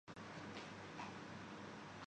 بنگلہ دیش کا وقت